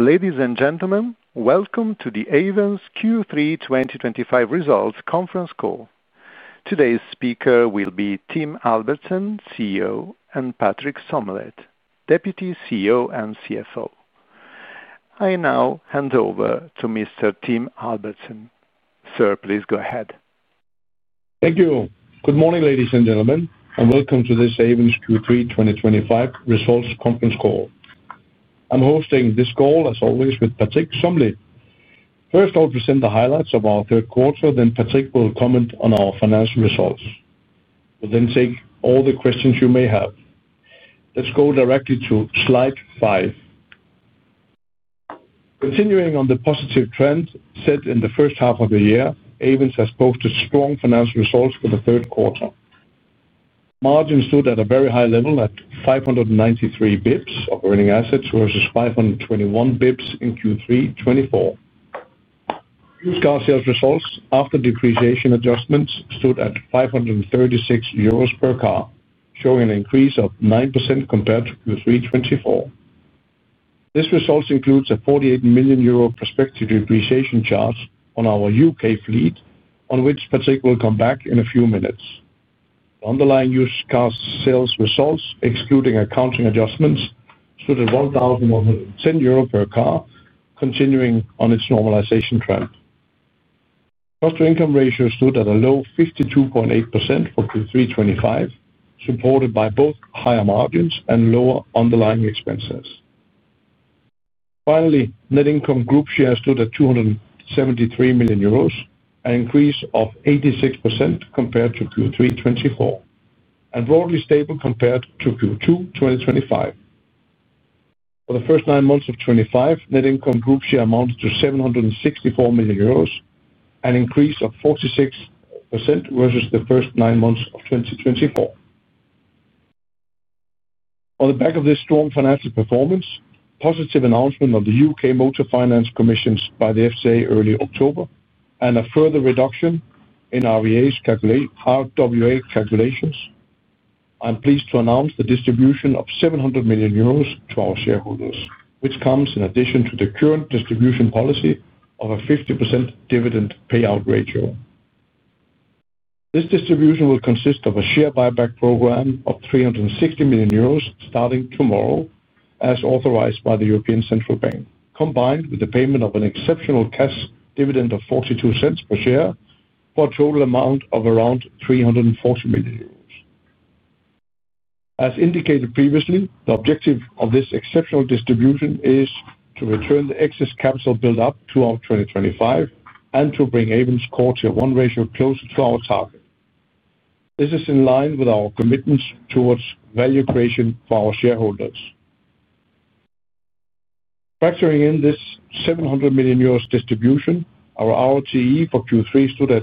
Ladies and gentlemen, welcome to the Ayvens Q3 2025 results conference call. Today's speaker will be Tim Albertsen, CEO, and Patrick Sommelet, Deputy CEO and CFO. I now hand over to Mr. Tim Albertsen. Sir, please go ahead. Thank you. Good morning, ladies and gentlemen, and welcome to this Ayvens Q3 2025 results conference call. I'm hosting this call, as always, with Patrick Sommelet. First, I'll present the highlights of our third quarter, then Patrick will comment on our financial results. We'll then take all the questions you may have. Let's go directly to slide five. Continuing on the positive trend set in the first half of the year, Ayvens has posted strong financial results for the third quarter. Margins stood at a very high level at 593 bps of earning assets versus 521 bps in Q3 2024. New car sales results after depreciation adjustments stood at 536 euros per car, showing an increase of 9% compared to Q3 2024. This result includes a 48 million euro prospective depreciation charge on our U.K. fleet, on which Patrick will come back in a few minutes. The underlying used car sales results, excluding accounting adjustments, stood at 1,110 euro per car, continuing on its normalization trend. Cost-to-income ratio stood at a low 52.8% for Q3 2025, supported by both higher margins and lower underlying expenses. Finally, net income group share stood at 273 million euros, an increase of 86% compared to Q3 2024, and broadly stable compared to Q2 2025. For the first nine months of 2025, net income group share amounts to 764 million euros, an increase of 46% versus the first nine months of 2024. On the back of this strong financial performance, positive announcement of the UK Motor Finance Commissions by the FCA early October and a further reduction in RWA calculations, I'm pleased to announce the distribution of 700 million euros to our shareholders, which comes in addition to the current distribution policy of a 50% dividend payout ratio. This distribution will consist of a share buyback program of 360 million euros starting tomorrow, as authorized by the European Central Bank, combined with the payment of an exceptional cash dividend of 0.42 per share for a total amount of around 340 million euros. As indicated previously, the objective of this exceptional distribution is to return the excess capital buildup throughout 2025 and to bring Ayvens' CET1 ratio closer to our target. This is in line with our commitments towards value creation for our shareholders. Factoring in this 700 million euros distribution, our ROTE for Q3 stood at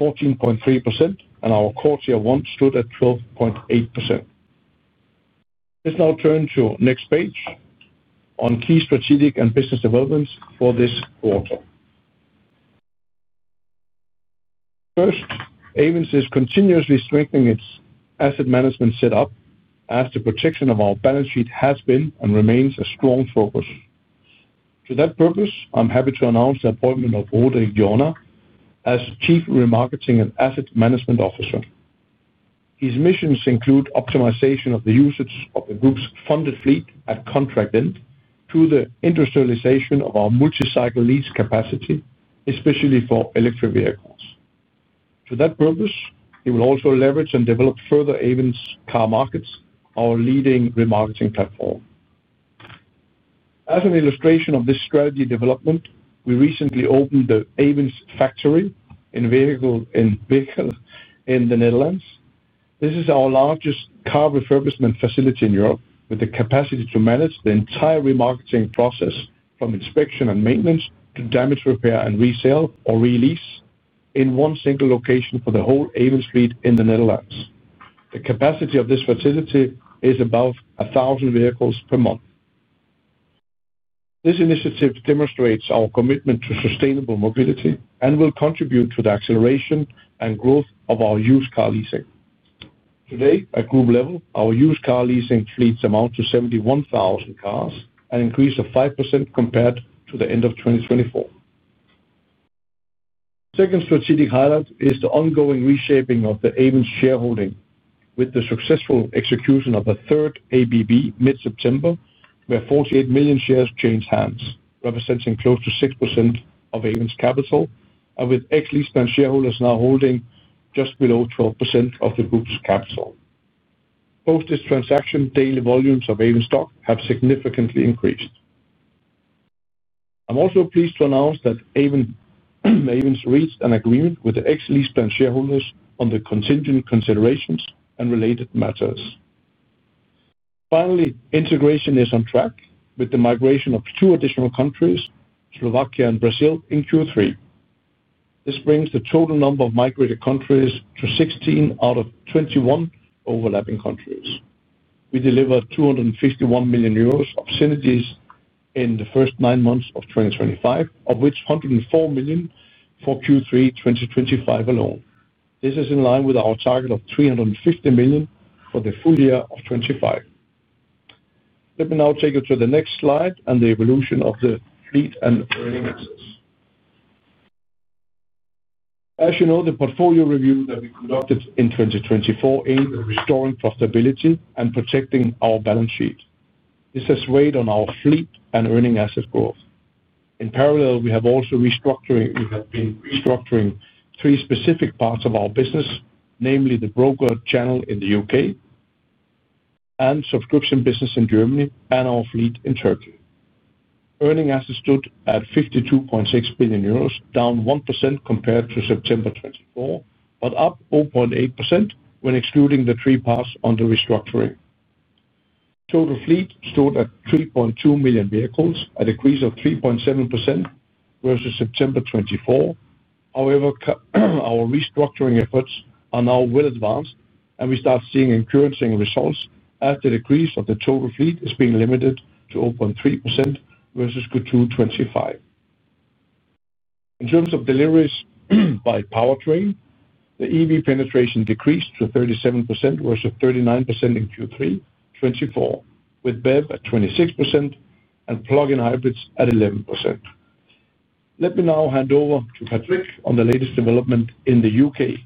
14.3% and our CET1 stood at 12.8%. Let's now turn to the next page on key strategic and business developments for this quarter. First, Ayvens is continuously strengthening its asset management setup as the protection of our balance sheet has been and remains a strong focus. To that purpose, I'm happy to announce the appointment of Roderick Jorna as Chief Remarketing and Asset Management Officer. His missions include optimization of the usage of the group's funded fleet at contract end to the industrialization of our multi-cycle lease capacity, especially for electric vehicles. To that purpose, he will also leverage and develop further Ayvens' car markets, our leading remarketing platform. As an illustration of this strategy development, we recently opened the Ayvens factory in Veghel in the Netherlands. This is our largest car refurbishment facility in Europe, with the capacity to manage the entire remarketing process from inspection and maintenance to damage repair and resale or release in one single location for the whole Ayvens fleet in the Netherlands. The capacity of this facility is about 1,000 vehicles per month. This initiative demonstrates our commitment to sustainable mobility and will contribute to the acceleration and growth of our used car leasing. Today, at group level, our used car leasing fleets amount to 71,000 cars, an increase of 5% compared to the end of 2024. The second strategic highlight is the ongoing reshaping of the Ayvens shareholding with the successful execution of a third ABB mid-September, where 48 million shares changed hands, representing close to 6% of Ayvens' capital, and with ex-LeasePlan shareholders now holding just below 12% of the group's capital. Post this transaction, daily volumes of Ayvens stock have significantly increased. I'm also pleased to announce that Ayvens reached an agreement with the ex-LeasePlan shareholders on the contingent considerations and related matters. Finally, integration is on track with the migration of two additional countries, Slovakia and Brazil, in Q3. This brings the total number of migrated countries to 16 out of 21 overlapping countries. We delivered 251 million euros of synergies in the first nine months of 2025, of which 104 million for Q3 2025 alone. This is in line with our target of 350 million for the full year of 2025. Let me now take you to the next slide and the evolution of the fleet and earning assets. As you know, the portfolio review that we conducted in 2024 aimed at restoring profitability and protecting our balance sheet. This has weighed on our fleet and earning asset growth. In parallel, we have also restructured, we have been restructuring three specific parts of our business, namely the broker channel in the U.K., the subscription business in Germany, and our fleet in Turkey. Earning assets stood at 52.6 billion euros, down 1% compared to September 2024, but up 0.8% when excluding the three parts under restructuring. Total fleet stood at 3.2 million vehicles, a decrease of 3.7% versus September 2024. However, our restructuring efforts are now well advanced, and we start seeing encouraging results as the decrease of the total fleet is being limited to 0.3% versus Q2 2025. In terms of deliveries by powertrain, the EV penetration decreased to 37% versus 39% in Q3 2024, with BEV at 26% and plug-in hybrids at 11%. Let me now hand over to Patrick on the latest development in the U.K.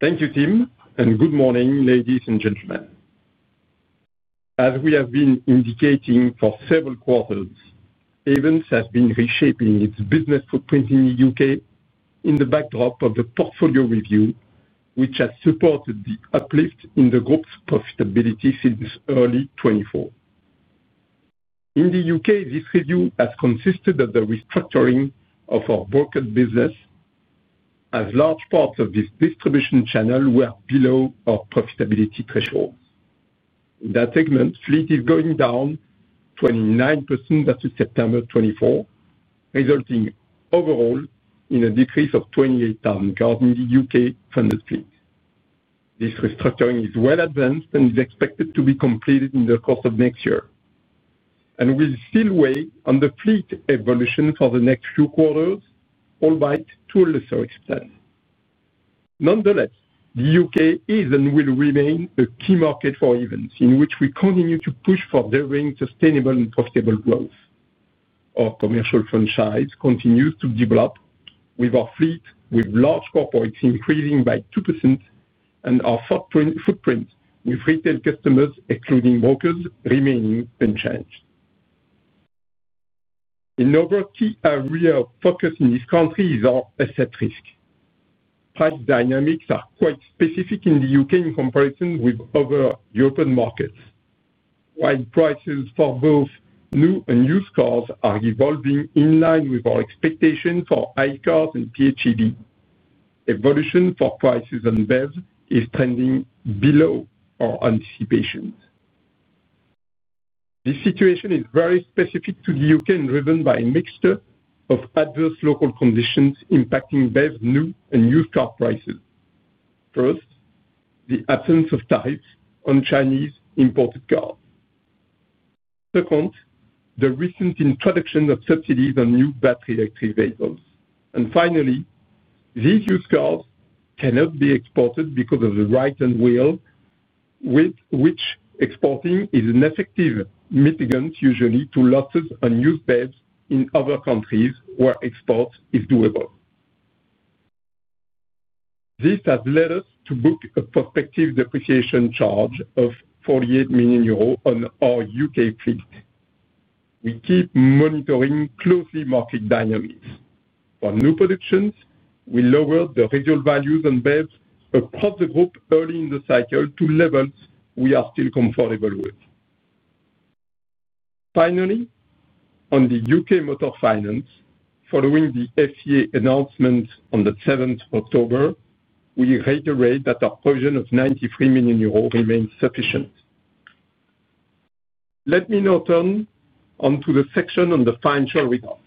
Thank you, Tim, and good morning, ladies and gentlemen. As we have been indicating for several quarters, Ayvens has been reshaping its business footprint in the U.K. in the backdrop of the portfolio review, which has supported the uplift in the group's profitability since early 2024. In the U.K., this review has consisted of the restructuring of our brokered business, as large parts of this distribution channel were below our profitability thresholds. In that segment, fleet is going down 29% as of September 2024, resulting overall in a decrease of 28,000 cars in the U.K. funded fleet. This restructuring is well advanced and is expected to be completed in the course of next year. We will still wait on the fleet evolution for the next few quarters, albeit to a lesser extent. Nonetheless, the U.K. is and will remain a key market for Ayvens, in which we continue to push for delivering sustainable and profitable growth. Our commercial franchise continues to develop, with our fleet with large corporates increasing by 2% and our footprint with retail customers, excluding brokers, remaining unchanged. Another key area of focus in this country is our asset risk. Price dynamics are quite specific in the U.K. in comparison with other European markets. While prices for both new and used cars are evolving in line with our expectations for internal combustion engine cars and plug-in hybrids, evolution for prices on BEVs is trending below our anticipations. This situation is very specific to the U.K. and driven by a mixture of adverse local conditions impacting BEV new and used car prices. First, the absence of tariffs on Chinese imported cars. Second, the recent introduction of subsidies on new battery electric vehicles. Finally, these used cars cannot be exported because of the right-hand drive, with which exporting is an effective mitigant usually to losses on used BEVs in other countries where export is doable. This has led us to book a prospective depreciation charge of 48 million euros on our U.K. fleet. We keep monitoring closely market dynamics. For new productions, we lowered the reserve values on BEVs across the group early in the cycle to levels we are still comfortable with. Finally, on the U.K. motor finance, following the FCA announcement on the 7th of October, we reiterate that our provision of 93 million euros remains sufficient. Let me now turn onto the section on the financial results.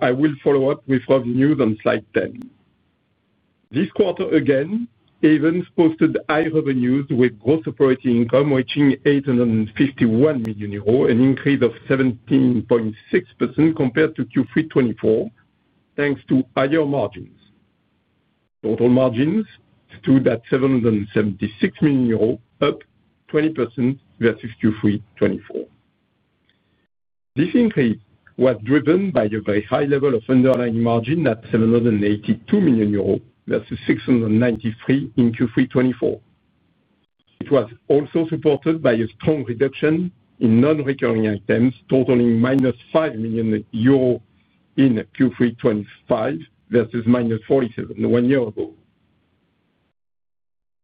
I will follow up with revenues on slide 10. This quarter again, Ayvens posted high revenues with gross operating income reaching 851 million euros, an increase of 17.6% compared to Q3 2024, thanks to higher margins. Total margins stood at 776 million euros, up 20% versus Q3 2024. This increase was driven by a very high level of underlying margin at 782 million euros versus 693 million in Q3 2024. It was also supported by a strong reduction in non-recurring items, totaling 5 million euro in Q3 2025 versus 47 million one year ago.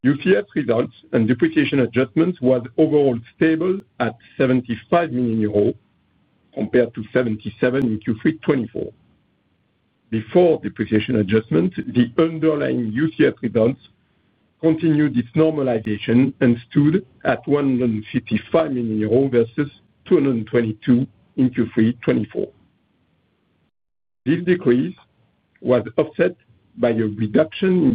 UCS results and depreciation adjustments were overall stable at 75 million euros compared to 77 million in Q3 2024. Before depreciation adjustments, the underlying UCS results continued its normalization and stood at 155 million euros versus 222 million in Q3 2024. This decrease was offset by a reduction in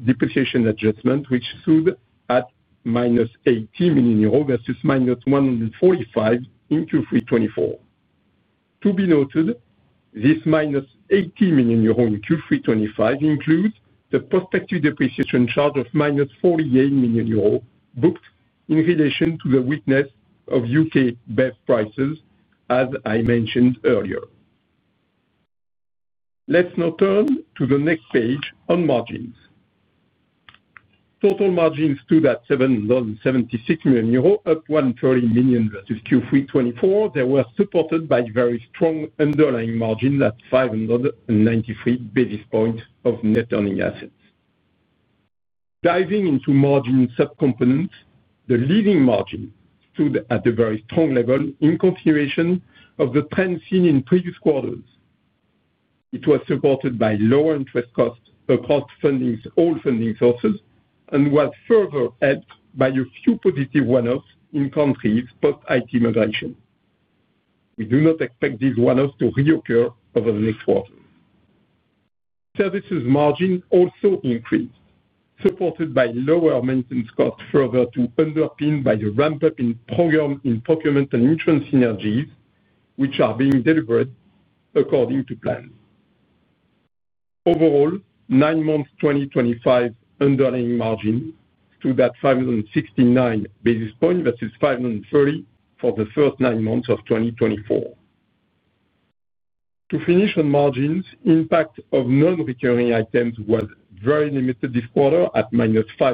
depreciation adjustment, which stood at 180 million euro versus 145 million euros in Q3 2024. To be noted, this 180 million euro in Q3 2025 includes the prospective depreciation charge of 48 million euro booked in relation to the weakness of U.K. BEV prices, as I mentioned earlier. Let's now turn to the next page on margins. Total margins stood at 776 million euros, up 130 million versus Q3 2024. They were supported by very strong underlying margins at 593 basis points of net earning assets. Diving into margin subcomponents, the leasing margin stood at a very strong level in continuation of the trend seen in previous quarters. It was supported by lower interest costs across all funding sources and was further helped by a few positive one-offs in countries post-IT migration. We do not expect these one-offs to reoccur over the next quarter. Services margins also increased, supported by lower maintenance costs further underpinned by the ramp-up in procurement and insurance synergies, which are being delivered according to plan. Overall, nine months 2025 underlying margins stood at 569 basis points versus 530 for the first nine months of 2024. To finish on margins, the impact of non-recurring items was very limited this quarter at 5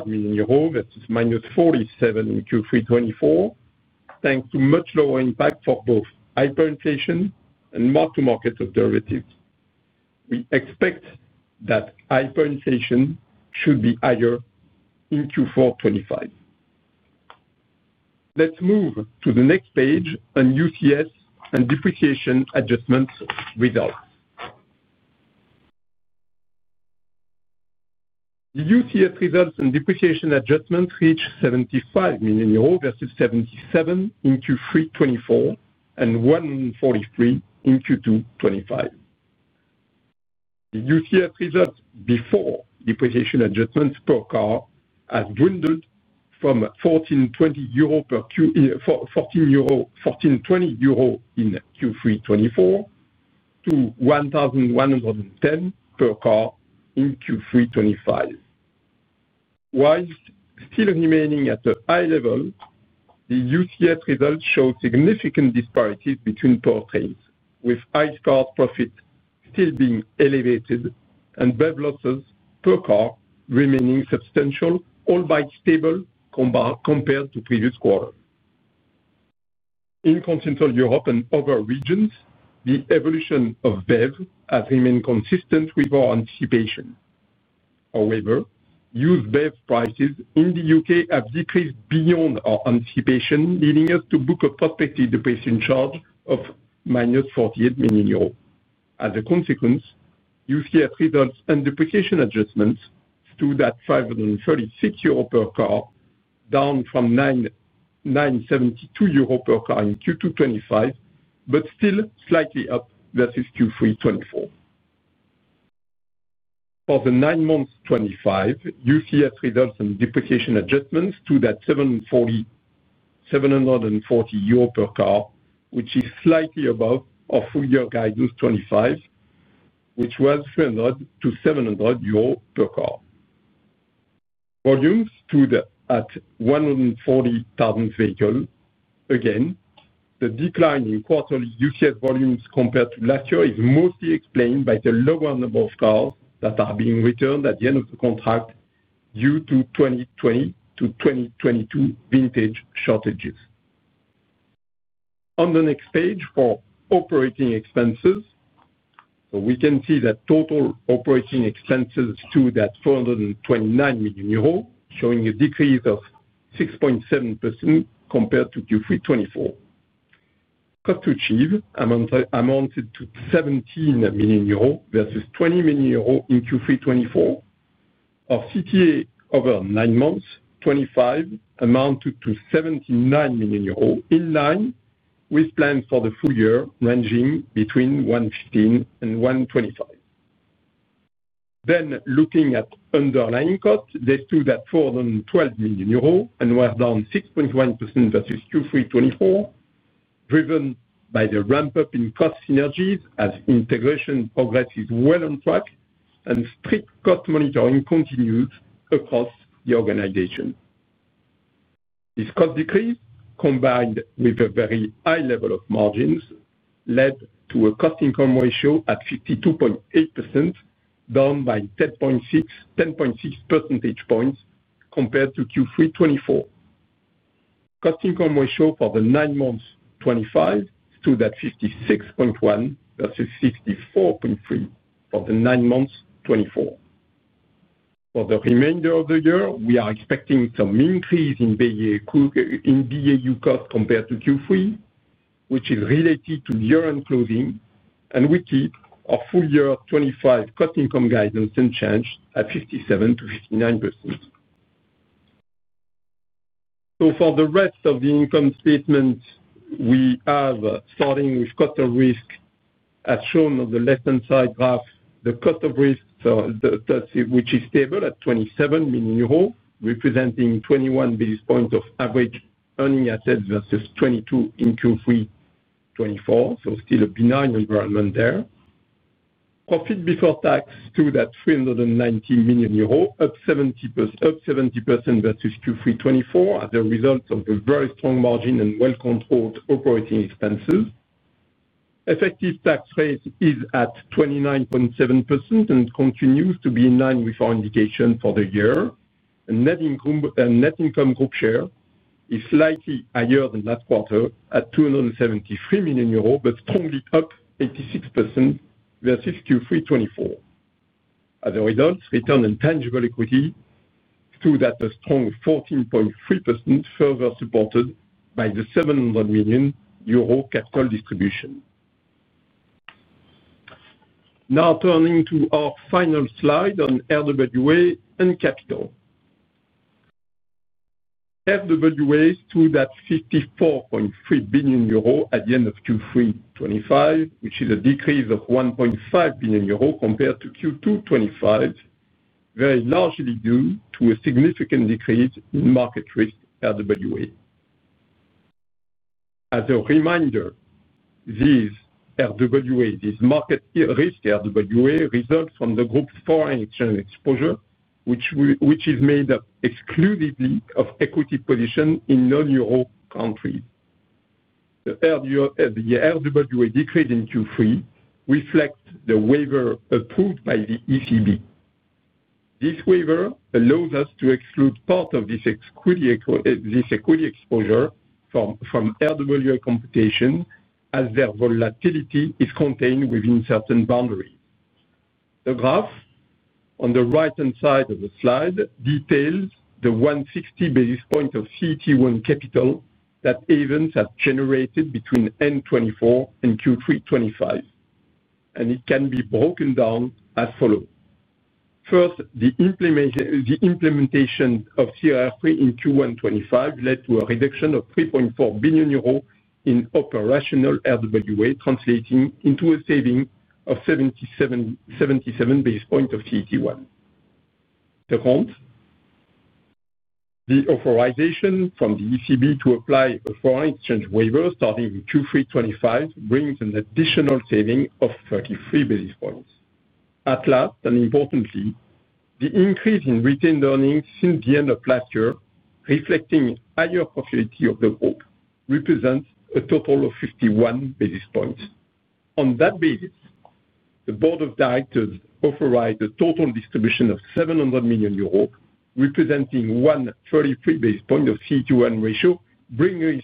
million euros versus 47 million in Q3 2024, thanks to much lower impact for both hyperinflation and marked-to-market observations. We expect that hyperinflation should be higher in Q4 2025. Let's move to the next page on UCS and depreciation adjustments results. The UCS results and depreciation adjustments reached 75 million euros versus 77 million in Q3 2024 and 143 million in Q2 2025. The UCS results before depreciation adjustments per car have dwindled from 1,420 euro in Q3 2024 to 1,110 per car in Q3 2025. While still remaining at a high level, the UCS results show significant disparities between portraits, with iCars profits still being elevated and BEV losses per car remaining substantial, albeit stable compared to previous quarters. In continental Europe and other regions, the evolution of BEV has remained consistent with our anticipation. However, used BEV prices in the U.K. have decreased beyond our anticipation, leading us to book a prospective depreciation charge of 48 million euros. As a consequence, UCS results and depreciation adjustments stood at 536 euro per car, down from 972 euro per car in Q2 2025, but still slightly up versus Q3 2024. For the nine months 2025, UCS results and depreciation adjustments stood at 740 euro per car, which is slightly above our full-year guidance 2025, which was 300-700 euro per car. Volumes stood at 140,000 vehicles. Again, the decline in quarterly UCS volumes compared to last year is mostly explained by the lower number of cars that are being returned at the end of the contract due to 2020 to 2022 vintage shortages. On the next page for operating expenses, we can see that total operating expenses stood at 429 million euro, showing a decrease of 6.7% compared to Q3 2024. Cost to achieve amounted to 17 million euros versus 20 million euros in Q3 2024. Our CTA over nine months 2025 amounted to 79 million euros, in line with plans for the full year ranging between 115 million-125 million. Looking at underlying costs, they stood at 412 million euros and were down 6.1% versus Q3 2024, driven by the ramp-up in cost synergies as integration progress is well on track and strict cost monitoring continues across the organization. This cost decrease, combined with a very high level of margins, led to a cost-income ratio at 52.8%, down by 10.6% points compared to Q3 2024. Cost-income ratio for the nine months 2025 stood at 56.1% versus 54.3% for the nine months 2024. For the remainder of the year, we are expecting some increase in BAU costs compared to Q3, which is related to year-end closing, and we keep our full-year 2025 cost-income guidance unchanged at 57%-59%. For the rest of the income statements, starting with cost of risk, as shown on the left-hand side graph, the cost of risk is stable at 27 million euro, representing 21 bps of average earning assets versus 22 in Q3 2024, so still a benign environment there. Profit before tax stood at 390 million euros, up 70% versus Q3 2024, as a result of a very strong margin and well-controlled operating expenses. Effective tax rate is at 29.7% and continues to be in line with our indication for the year. Net income group share is slightly higher than last quarter at 273 million euros, but strongly up 86% versus Q3 2024. As a result, return on tangible equity stood at a strong 14.3%, further supported by the 700 million euro capital distribution. Now turning to our final slide on RWA and capital. RWA stood at 54.3 billion euro at the end of Q3 2025, which is a decrease of 1.5 billion euro compared to Q2 2025, very largely due to a significant decrease in market risk RWA. As a reminder, these market risk RWA result from the group's foreign exchange exposure, which is made up exclusively of equity positions in non-Euro countries. The RWA decrease in Q3 reflects the waiver approved by the ECB. This waiver allows us to exclude part of this equity exposure from RWA computation as their volatility is contained within certain boundaries. The graph on the right-hand side of the slide details the 160 basis points of CET1 capital that Ayvens has generated between N24 and Q3 2025, and it can be broken down as follows. First, the implementation of CRR3 in Q1 2025 led to a reduction of 3.4 billion euros in operational RWA, translating into a saving of 77 basis points of CET1. Second, the authorization from the ECB to apply a foreign exchange waiver, starting with Q3 2025, brings an additional saving of 33 basis points. At last, and importantly, the increase in retained earnings since the end of last year, reflecting higher profitability of the group, represents a total of 51 basis points. On that basis, the board of directors authorized a total distribution of 700 million euros, representing 133 basis points of CET1 ratio, bringing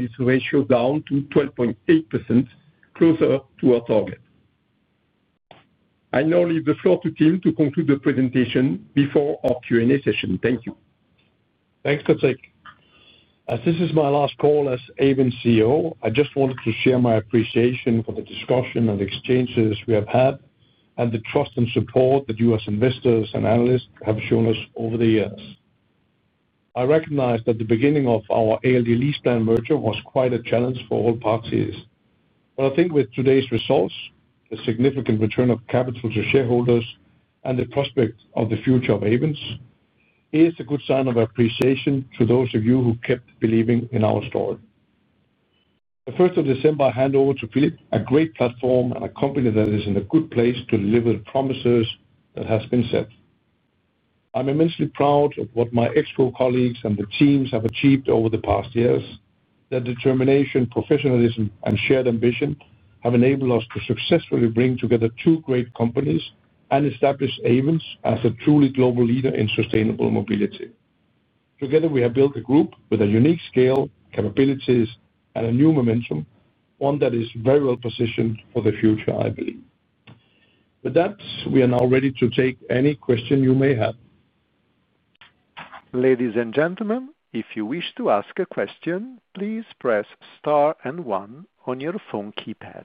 this ratio down to 12.8%, closer to our target. I now leave the floor to Tim to conclude the presentation before our Q&A session. Thank you. Thanks, Patrick. As this is my last call as Ayvens CEO, I just wanted to share my appreciation for the discussion and exchanges we have had and the trust and support that you as investors and analysts have shown us over the years. I recognize that the beginning of our ALD LeasePlan merger was quite a challenge for all parties, but I think with today's results, the significant return of capital to shareholders, and the prospect of the future of Ayvens is a good sign of appreciation to those of you who kept believing in our story. On the 1st of December, I hand over to Philip. A great platform and a company that is in a good place to deliver the promises that have been set. I'm immensely proud of what my ex-group colleagues and the teams have achieved over the past years. Their determination, professionalism, and shared ambition have enabled us to successfully bring together two great companies and establish Ayvens as a truly global leader in sustainable mobility. Together, we have built a group with a unique scale, capabilities, and a new momentum, one that is very well positioned for the future, I believe. With that, we are now ready to take any question you may have. Ladies and gentlemen, if you wish to ask a question, please press star and one on your phone keypad.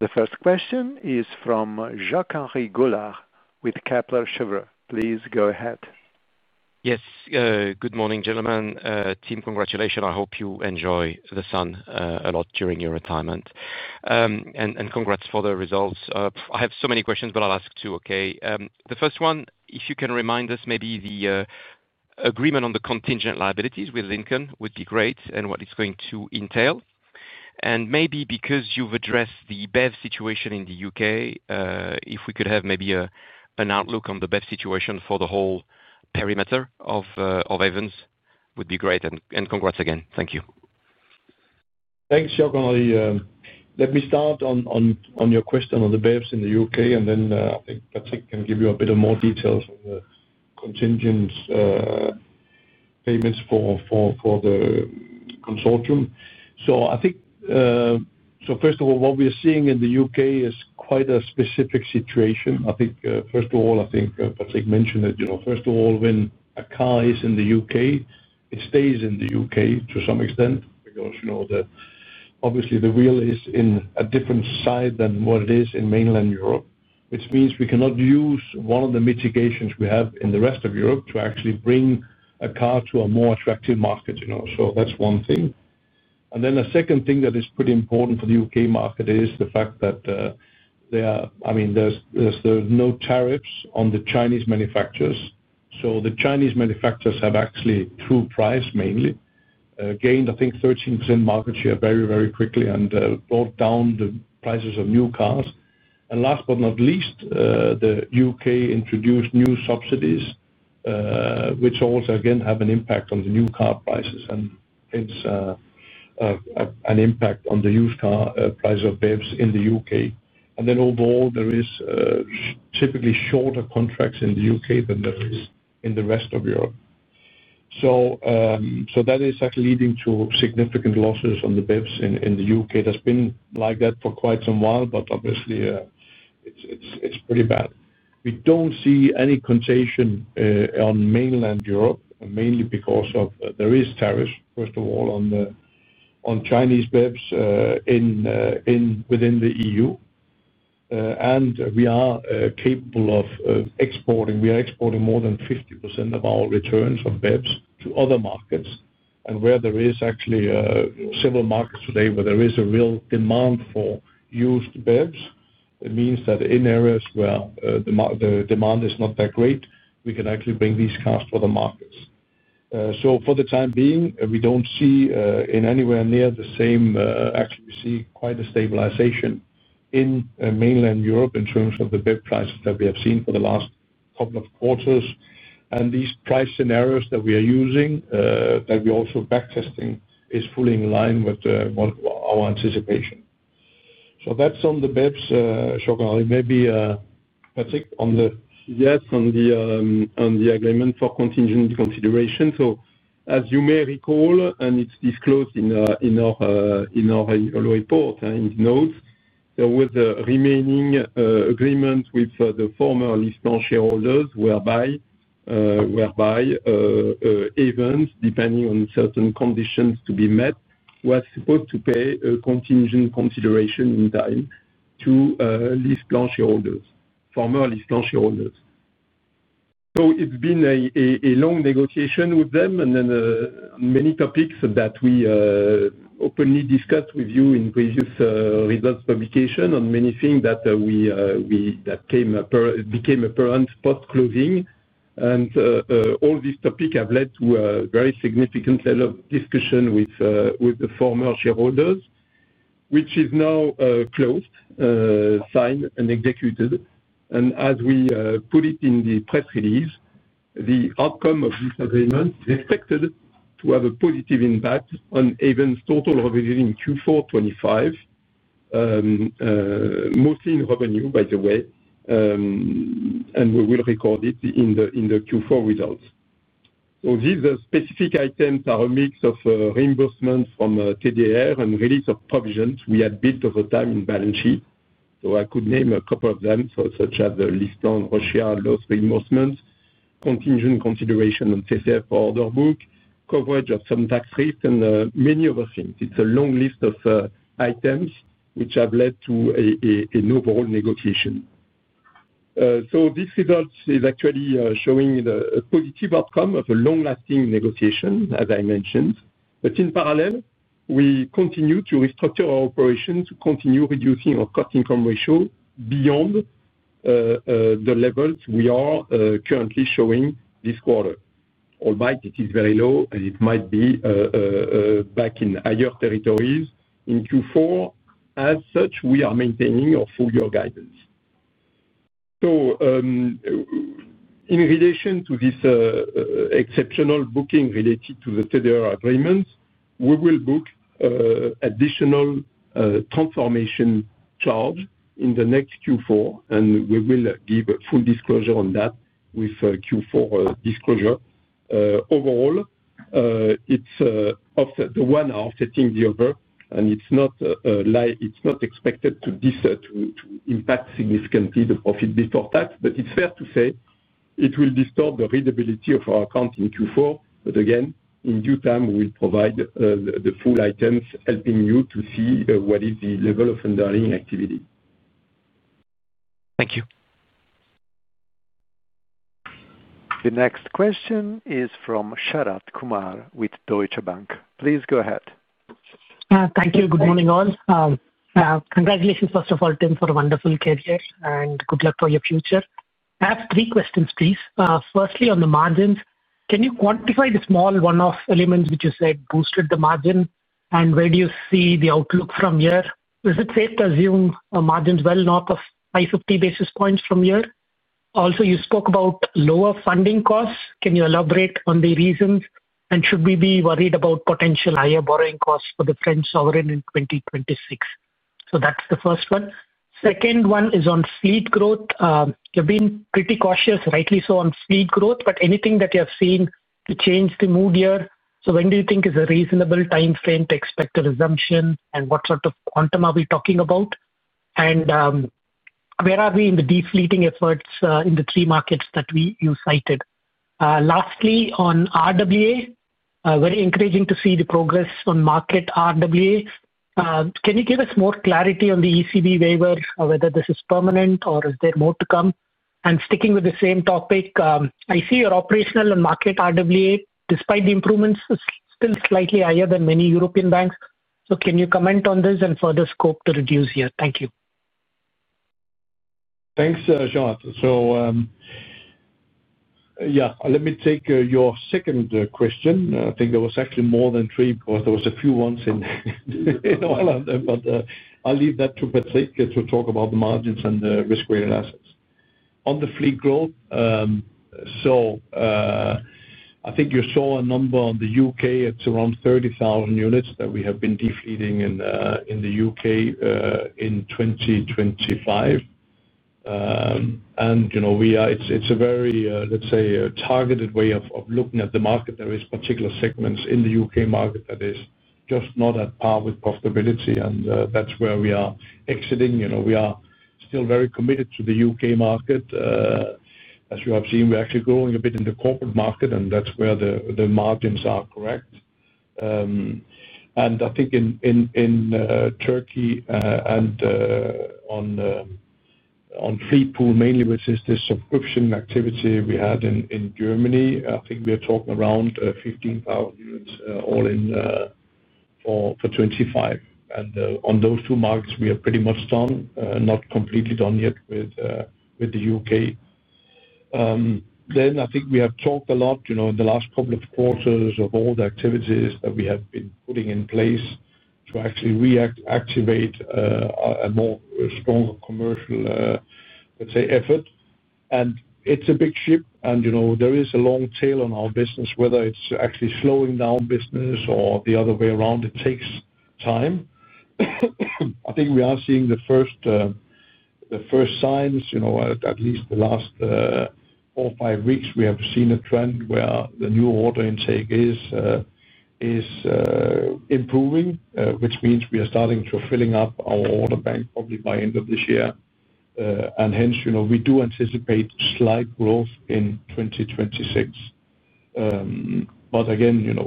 The first question is from Jacques-Henri Gaulard with Kepler Cheuvreux. Please go ahead. Yes. Good morning, gentlemen. Tim, congratulations. I hope you enjoy the sun a lot during your retirement. Congrats for the results. I have so many questions, but I'll ask two, okay? The first one, if you can remind us maybe the agreement on the contingent liabilities with Lincoln would be great and what it's going to entail. Because you've addressed the BEV situation in the U.K., if we could have maybe an outlook on the BEV situation for the whole perimeter of Ayvens, that would be great. Congrats again. Thank you. Thanks, Jacques-Henri. Let me start on your question on the BEVs in the U.K., and then I think Patrick can give you a bit more details on the contingent payments for the consortium. First of all, what we are seeing in the U.K. is quite a specific situation. Patrick mentioned that, you know, when a car is in the U.K., it stays in the U.K. to some extent because, obviously, the wheel is on a different side than what it is in mainland Europe, which means we cannot use one of the mitigations we have in the rest of Europe to actually bring a car to a more attractive market. That is one thing. The second thing that is pretty important for the U.K. market is the fact that there are no tariffs on the Chinese manufacturers. The Chinese manufacturers have actually, through price mainly, gained, I think, 13% market share very, very quickly and brought down the prices of new cars. Last but not least, the U.K. introduced new subsidies, which also have an impact on the new car prices and hence, an impact on the used car price of BEVs in the U.K.. Overall, there are typically shorter contracts in the U.K. than there are in the rest of Europe. That is actually leading to significant losses on the BEVs in the U.K.. That's been like that for quite some while, but obviously, it's pretty bad. We don't see any contagion on mainland Europe, mainly because there are tariffs, first of all, on Chinese BEVs within the EU. We are capable of exporting. We are exporting more than 50% of our returns on BEVs to other markets. There are actually several markets today where there is a real demand for used BEVs. It means that in areas where the demand is not that great, we can actually bring these cars to other markets. For the time being, we don't see anywhere near the same. Actually, we see quite a stabilization in mainland Europe in terms of the BEV prices that we have seen for the last couple of quarters. These price scenarios that we are using, that we are also backtesting, are fully in line with what our anticipation is. That's on the BEVs, Jacques-Henri. Maybe, Patrick, on the. Yes, on the agreement for contingent consideration. As you may recall, and it's disclosed in our report, in the notes, there was a remaining agreement with the former LeasePlan shareholders whereby Ayvens, depending on certain conditions to be met, was supposed to pay a contingent consideration in time to LeasePlan shareholders, former LeasePlan shareholders. It's been a long negotiation with them on many topics that we openly discussed with you in previous results publication on many things that became apparent post-closing. All these topics have led to a very significant level of discussion with the former shareholders, which is now closed, signed, and executed. As we put it in the press release, the outcome of this agreement is expected to have a positive impact on Ayvens' total revenue in Q4 2025, mostly in revenue, by the way. We will record it in the Q4 results. These specific items are a mix of reimbursement from TDR and release of provisions we had built over time in balance sheet. I could name a couple of them, such as the LeasePlan Russia loss reimbursement, contingent consideration on TSR for order book, coverage of some tax rates, and many other things. It's a long list of items which have led to an overall negotiation. This result is actually showing a positive outcome of a long-lasting negotiation, as I mentioned. In parallel, we continue to restructure our operations to continue reducing our cost-to-income ratio beyond the levels we are currently showing this quarter. Albeit it is very low and it might be back in higher territories in Q4. We are maintaining our full-year guidance. In relation to this exceptional booking related to the TDR agreements, we will book an additional transformation charge in the next Q4, and we will give a full disclosure on that with Q4 disclosure. Overall, it's the one offsetting the other, and it's not expected to impact significantly the profit before tax, but it's fair to say it will disturb the readability of our account in Q4. Again, in due time, we will provide the full items, helping you to see what is the level of underlying activity. Thank you. The next question is from Sharath Kumar with Deutsche Bank. Please go ahead. Thank you. Good morning all. Congratulations, first of all, Tim, for a wonderful career and good luck for your future. I have three questions, please. Firstly, on the margins, can you quantify the small one-off elements which you said boosted the margin, and where do you see the outlook from here? Is it safe to assume margins well north of 550 bps from here? Also, you spoke about lower funding costs. Can you elaborate on the reasons? Should we be worried about potential higher borrowing costs for the French sovereign in 2026? That's the first one. The second one is on fleet growth. You're being pretty cautious, rightly so, on fleet growth, but anything that you have seen to change the mood here, when do you think is a reasonable timeframe to expect a resumption, and what sort of quantum are we talking about? Where are we in the defleating efforts in the three markets that you cited? Lastly, on RWA, very encouraging to see the progress on market RWA. Can you give us more clarity on the ECB waiver, whether this is permanent or is there more to come? Sticking with the same topic, I see your operational and market RWA, despite the improvements, is still slightly higher than many European banks. Can you comment on this and further scope to reduce here? Thank you. Thanks, Sharath. Let me take your second question. I think there were actually more than three because there were a few ones in all of them, but I'll leave that to Patrick to talk about the margins and the risk-weighted assets. On the fleet growth, I think you saw a number on the U.K. It's around 30,000 units that we have been defleeting in the U.K. in 2025. It's a very, let's say, targeted way of looking at the market. There are particular segments in the U.K. market that are just not at par with profitability, and that's where we are exiting. We are still very committed to the U.K. market. As you have seen, we're actually growing a bit in the corporate market, and that's where the margins are correct. I think in Turkey and on fleet pool mainly, which is the subscription activity we had in Germany, we are talking around 15,000 units all in for 2025. On those two markets, we are pretty much done, not completely done yet with the U.K. I think we have talked a lot in the last couple of quarters of all the activities that we have been putting in place to actually reactivate a more stronger commercial, let's say, effort. It's a big ship, and there is a long tail on our business, whether it's actually slowing down business or the other way around, it takes time. I think we are seeing the first signs, at least the last four or five weeks, we have seen a trend where the new order intake is improving, which means we are starting to fill up our order bank probably by the end of this year. We do anticipate slight growth in 2026.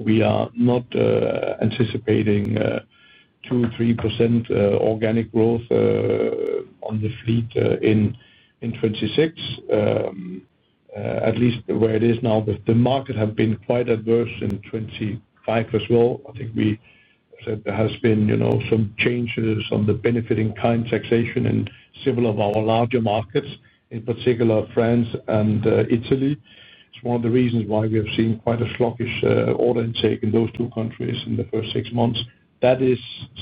We are not anticipating 2% or 3% organic growth on the fleet in 2026, at least where it is now. The market has been quite adverse in 2025 as well. I think we said there have been some changes on the benefiting kind taxation in several of our larger markets, in particular France and Italy. It's one of the reasons why we have seen quite a sluggish order intake in those two countries in the first six months. That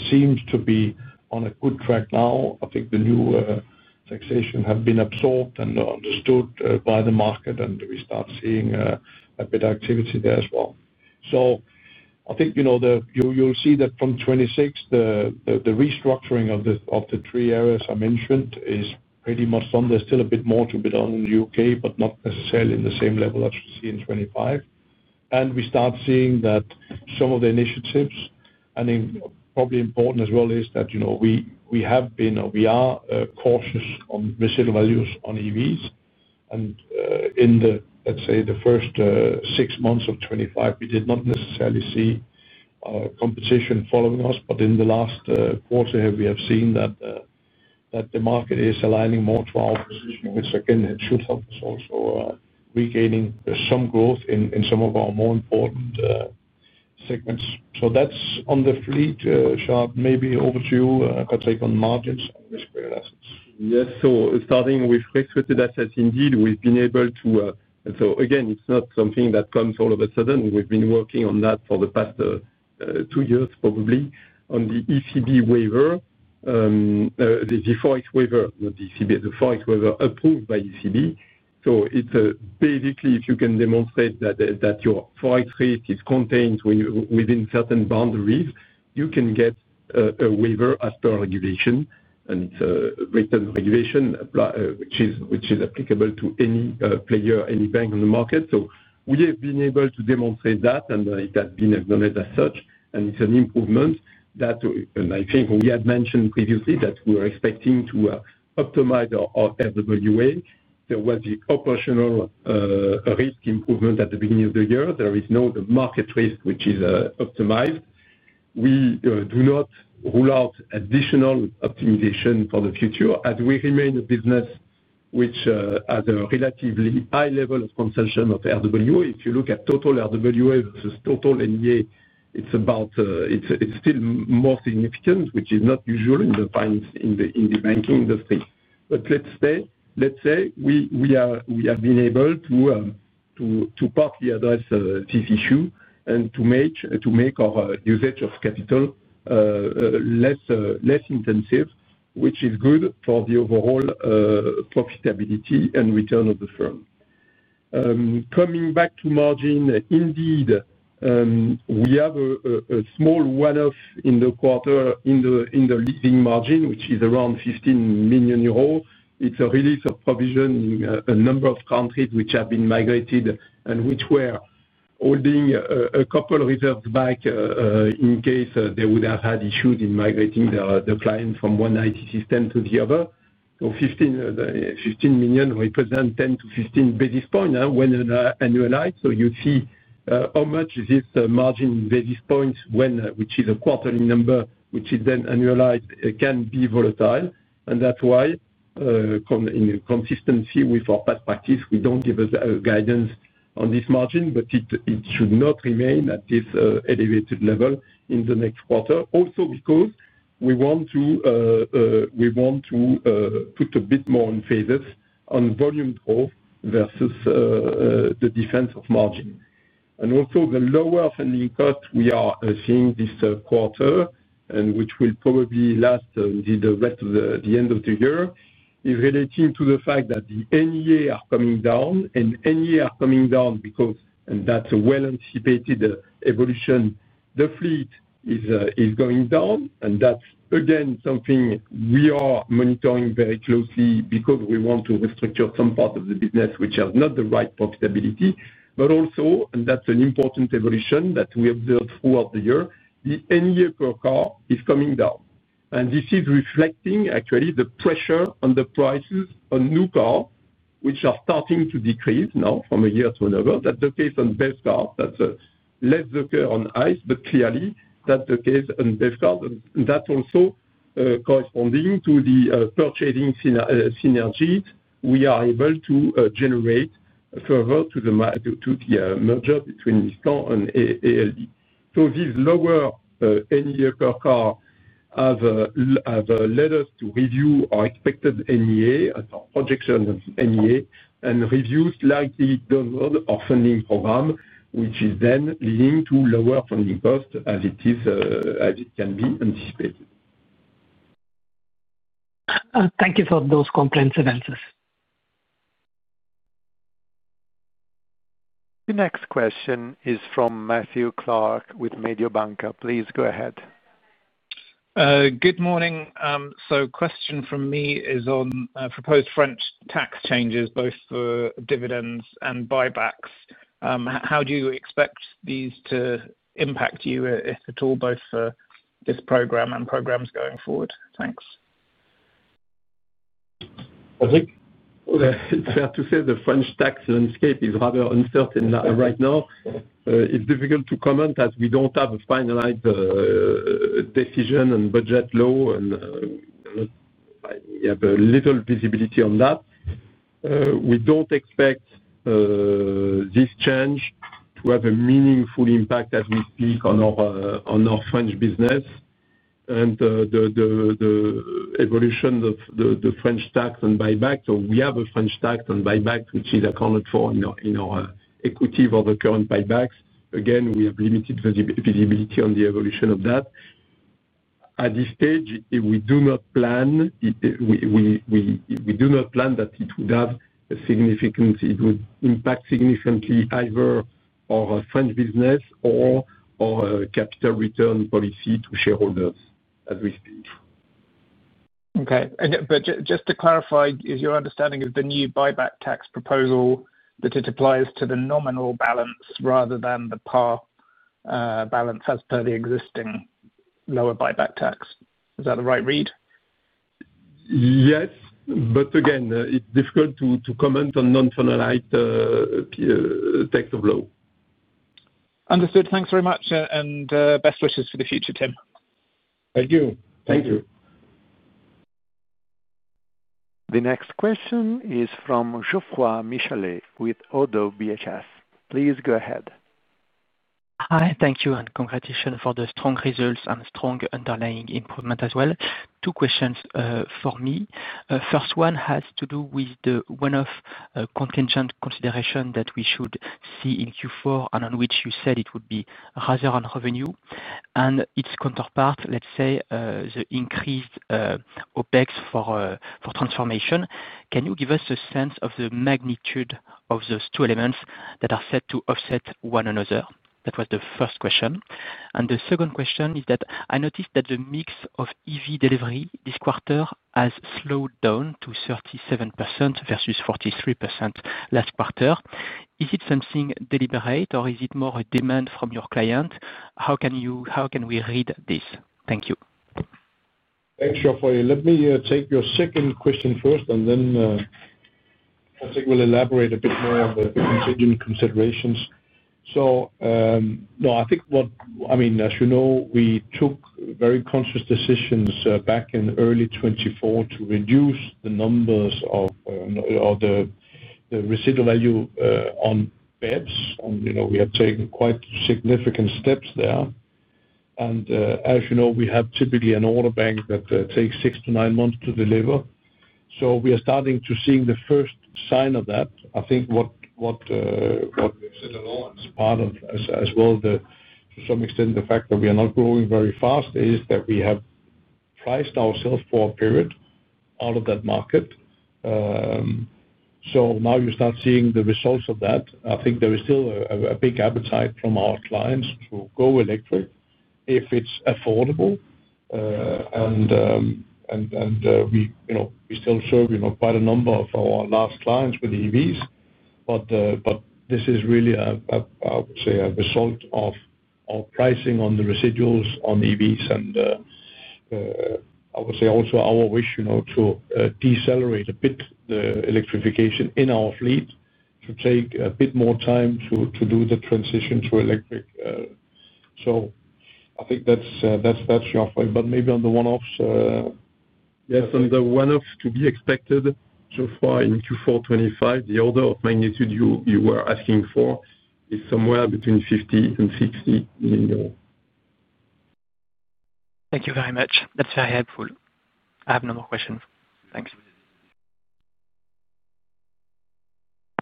seems to be on a good track now. I think the new taxation has been absorbed and understood by the market, and we start seeing a bit of activity there as well. I think you'll see that from 2026, the restructuring of the three areas I mentioned is pretty much done. There's still a bit more to be done in the U.K., but not necessarily in the same level as we see in 2025. We start seeing that some of the initiatives, I think probably important as well, is that you know we have been, or we are cautious on residual values on EVs. In the, let's say, the first six months of 2025, we did not necessarily see competition following us. In the last quarter, we have seen that the market is aligning more to our position, which again, it should help us also regain some growth in some of our more important segments. That's on the fleet. Sharath, maybe over to you, Patrick, on margins and risk-weighted assets. Yes. Starting with risk-weighted assets, indeed, we've been able to, and again, it's not something that comes all of a sudden. We've been working on that for the past two years, probably, on the ECB waiver, the FX waiver, not the ECB, the FX waiver approved by ECB. It's basically, if you can demonstrate that your FX rate is contained within certain boundaries, you can get a waiver as per regulation. It's a written regulation, which is applicable to any player, any bank on the market. We have been able to demonstrate that, and it has been acknowledged as such. It's an improvement that, and I think we had mentioned previously that we were expecting to optimize our RWA. There was the operational risk improvement at the beginning of the year. There is now the market risk, which is optimized. We do not rule out additional optimization for the future as we remain a business which has a relatively high level of consumption of RWA. If you look at total RWA versus total NEA, it's about, it's still more significant, which is not usual in the finance, in the banking industry. Let's say we have been able to partly address this issue and to make our usage of capital less intensive, which is good for the overall profitability and return of the firm. Coming back to margin, indeed, we have a small one-off in the quarter in the leasing margin, which is around €15 million. It's a release of provision in a number of countries which have been migrated and which were holding a couple of reserves back in case they would have had issues in migrating the client from one IT system to the other. 15 million represents 10-15 bps when annualized. You'd see how much this margin in bps, which is a quarterly number, which is then annualized, can be volatile. That's why, in consistency with our past practice, we don't give a guidance on this margin, but it should not remain at this elevated level in the next quarter. Also, we want to put a bit more emphasis on volume growth versus the defense of margin. Also, the lower funding cost we are seeing this quarter, and which will probably last the rest of the end of the year, is relating to the fact that the NEA are coming down. NEA are coming down because, and that's a well-anticipated evolution, the fleet is going down. That's, again, something we are monitoring very closely because we want to restructure some part of the business which has not the right profitability. Also, and that's an important evolution that we observed throughout the year, the NEA per car is coming down. This is reflecting actually the pressure on the prices on new cars, which are starting to decrease now from a year to another. That's the case on BEV cars. That occurs less on ICE, but clearly, that's the case on BEV cars. This is also corresponding to the purchasing synergies we are able to generate further to the merger between LeasePlan and Ayvens. These lower NEA per car have led us to review our expected NEA, as our projection of NEA, and review slightly downward our funding program, which is then leading to lower funding costs as it is, as it can be anticipated. Thank you for those comprehensive answers. The next question is from Matthew Clark with MedioBanca. Please go ahead. Good morning. A question from me is on proposed French tax changes, both for dividends and buybacks. How do you expect these to impact you, if at all, both for this program and programs going forward? Thanks. It's fair to say the French tax landscape is rather uncertain right now. It's difficult to comment as we don't have a finalized decision and budget law, and we have little visibility on that. We don't expect this change to have a meaningful impact as we speak on our French business and the evolution of the French tax and buybacks. We have a French tax and buyback, which is accounted for in our equity for the current buybacks. We have limited visibility on the evolution of that. At this stage, we do not plan that it would impact significantly either our French business or our capital return policy to shareholders as we speak. Okay. Just to clarify, is your understanding of the new buyback tax proposal that it applies to the nominal balance rather than the par balance as per the existing lower buyback tax? Is that the right read? Yes, again, it's difficult to comment on non-finalized tax law. Understood. Thanks very much, and best wishes for the future, Tim. Thank you. Thank you. The next question is from Geoffroy Michalet with ODDO BHF. Please go ahead. Hi. Thank you, and congratulations for the strong results and strong underlying improvement as well. Two questions for me. First one has to do with the one-off contingent consideration that we should see in Q4 and on which you said it would be rather on revenue. Its counterpart, let's say, the increased OpEx for transformation. Can you give us a sense of the magnitude of those two elements that are set to offset one another? That was the first question. The second question is that I noticed that the mix of EV delivery this quarter has slowed down to 37% versus 43% last quarter. Is it something deliberate or is it more a demand from your client? How can you, how can we read this? Thank you. Thanks, Geoffroy. Let me take your second question first, and then Patrick will elaborate a bit more on the contingent considerations. No, I think what, I mean, as you know, we took very conscious decisions back in early 2024 to reduce the numbers of, or the residual value, on BEVs. We have taken quite significant steps there. As you know, we have typically an order bank that takes six to nine months to deliver. We are starting to see the first sign of that. I think what we've said a lot as part of, as well, to some extent, the fact that we are not growing very fast is that we have priced ourselves for a period out of that market. You start seeing the results of that. I think there is still a big appetite from our clients to go electric if it's affordable. We still serve quite a number of our last clients with EVs. This is really a result of our pricing on the residuals on EVs. I would say also our wish to decelerate a bit the electrification in our fleet to take a bit more time to do the transition to electric. I think that's your point. Maybe on the one-offs. Yes. On the one-offs, to be expected so far in Q4 2025, the order of magnitude you were asking for is somewhere between 50 million-60 million euros. Thank you very much. That's very helpful. I have no more questions. Thanks.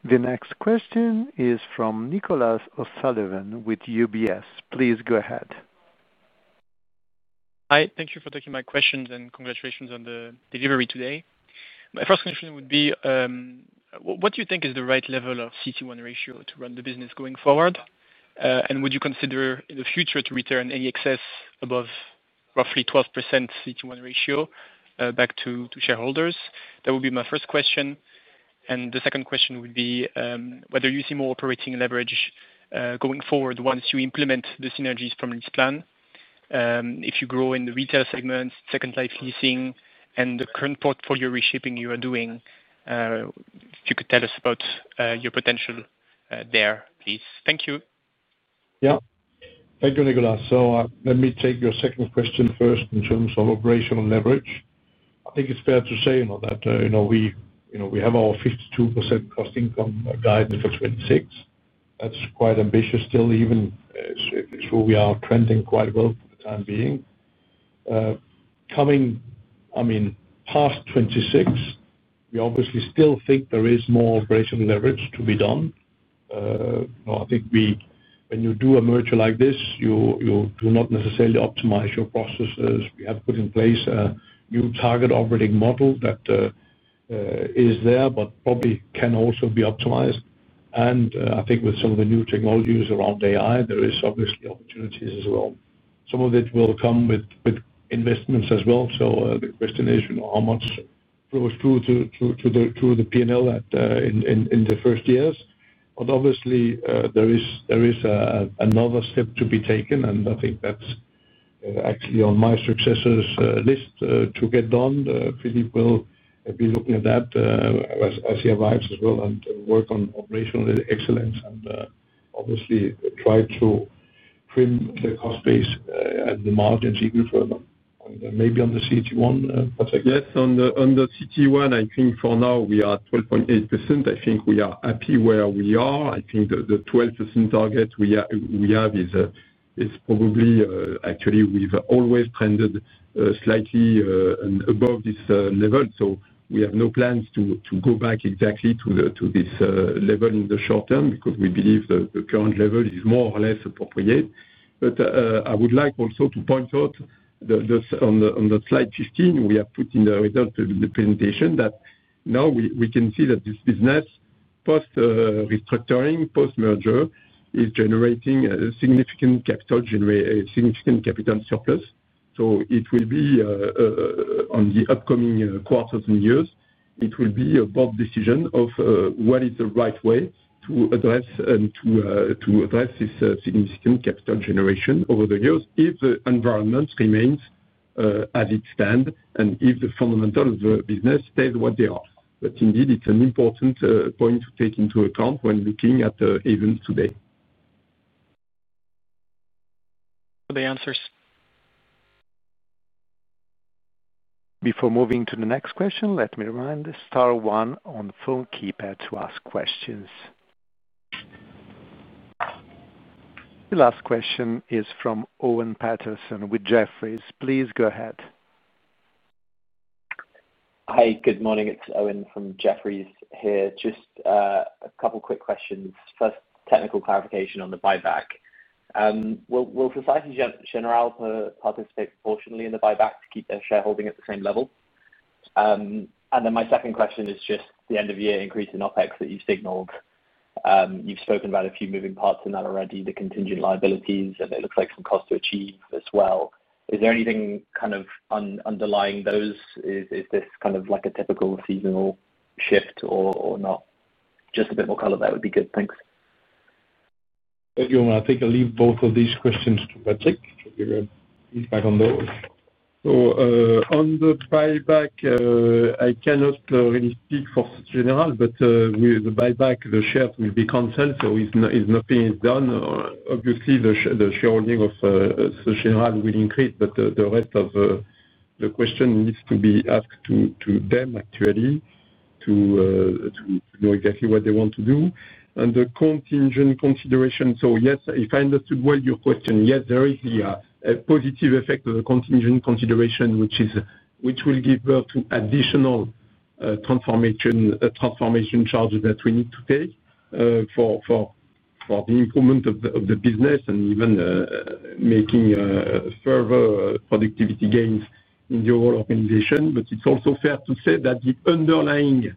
The next question is from Nicolas O'Sullivan with UBS. Please go ahead. Hi. Thank you for taking my questions and congratulations on the delivery today. My first question would be, what do you think is the right level of CET1 ratio to run the business going forward? Would you consider in the future to return any excess above roughly 12% CET1 ratio back to shareholders? That would be my first question. The second question would be whether you see more operating leverage going forward once you implement the synergies from LeasePlan. If you grow in the retail segments, second life leasing, and the current portfolio reshaping you are doing, if you could tell us about your potential there, please. Thank you. Thank you, Nicolas. Let me take your second question first in terms of operational leverage. I think it's fair to say that we have our 52% cost-to-income guidance for 2026. That's quite ambitious still, even as we are trending quite well for the time being. Coming past 2026, we obviously still think there is more operational leverage to be done. I think when you do a merger like this, you do not necessarily optimize your processes. We have put in place a new target operating model that is there, but probably can also be optimized. I think with some of the new technologies around AI, there are obviously opportunities as well. Some of it will come with investments as well. The question is how much flows through to the P&L in the first years. Obviously, there is another step to be taken, and I think that's actually on my successor's list to get done. Philip will be looking at that as he arrives as well and work on operational excellence and obviously try to trim the cost base and the margins even further. Maybe on the CET1, Patrick? Yes. On the CET1, I think for now we are at 12.8%. I think we are happy where we are. I think the 12% target we have is probably actually, we've always trended slightly above this level. We have no plans to go back exactly to this level in the short term because we believe the current level is more or less appropriate. I would like also to point out that on slide 15, we have put in the result in the presentation that now we can see that this business post-restructuring, post-merger is generating a significant capital surplus. It will be, in the upcoming quarters and years, a board decision of what is the right way to address this significant capital generation over the years if the environment remains as it stands and if the fundamentals of the business stay what they are. Indeed, it's an important point to take into account when looking at Ayvens today. For the answers. Before moving to the next question, let me remind you to press star one on the phone keypad to ask questions. The last question is from Owen Paterson with Jefferies. Please go ahead. Hi. Good morning. It's Owen from Jefferies here. Just a couple of quick questions. First, technical clarification on the buyback. Will Société Générale participate proportionately in the buyback to keep their shareholding at the same level? My second question is just the end-of-year increase in OpEx that you signaled. You've spoken about a few moving parts in that already, the contingent liabilities, and it looks like some cost to achieve as well. Is there anything kind of underlying those? Is this kind of like a typical seasonal shift or not? Just a bit more color there would be good. Thanks. Thank you. I think I'll leave both of these questions to Patrick. He's back on those. On the buyback, I cannot really speak for Société Générale, but the buyback, the shares will be canceled. If nothing is done, obviously, the shareholding of Société Générale will increase, but the rest of the question needs to be asked to them, actually, to know exactly what they want to do. The contingent consideration, yes, if I understood well your question, yes, there is a positive effect of the contingent consideration, which will give us additional transformation charges that we need to take for the improvement of the business and even making further productivity gains in the overall organization. It's also fair to say that the underlying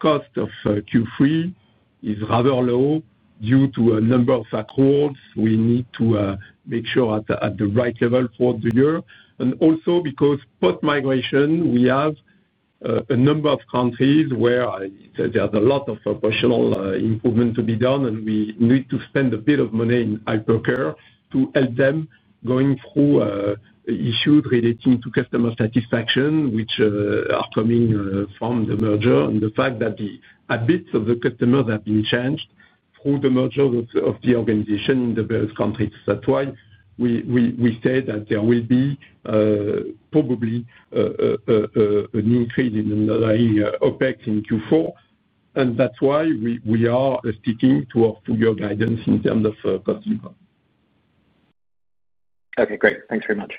cost of Q3 is rather low due to a number of accords we need to make sure are at the right level throughout the year. Also, because post-migration, we have a number of countries where there's a lot of operational improvement to be done, and we need to spend a bit of money in hypercare to help them going through issues relating to customer satisfaction, which are coming from the merger. The fact that the habits of the customers have been changed through the merger of the organization in the various countries. That's why we say that there will probably be an increase in underlying OpEx in Q4. That's why we are sticking to our two-year guidance in terms of cost income. Okay, great. Thanks very much.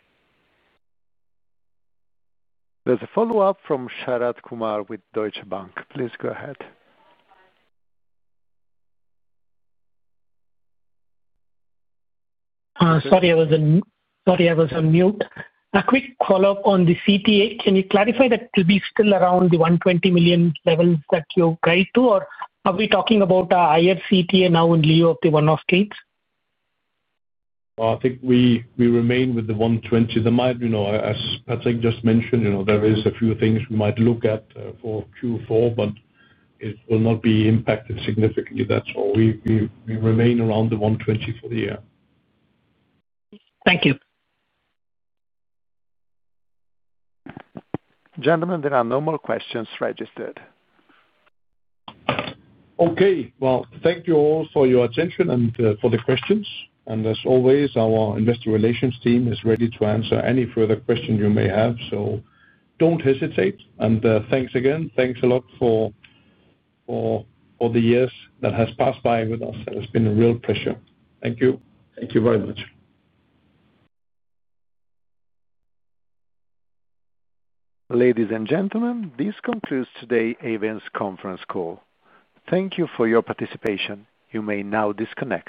There's a follow-up from Sharath Kumar with Deutsche Bank. Please go ahead. Sorry, I was on mute. A quick follow-up on the CTA. Can you clarify that it will be still around the 120 million levels that you guide to, or are we talking about a higher CTA now in lieu of the one-off dates? I think we remain with the 120. There might, you know, as Patrick just mentioned, you know, there are a few things we might look at for Q4, but it will not be impacted significantly. That's all. We remain around the 120 for the year. Thank you. Gentlemen, there are no more questions registered. Thank you all for your attention and for the questions. As always, our Investor Relations team is ready to answer any further questions you may have. Don't hesitate. Thanks again. Thanks a lot for the years that have passed by with us. It has been a real pleasure. Thank you. Thank you very much. Ladies and gentlemen, this concludes today's Ayvens conference call. Thank you for your participation. You may now disconnect.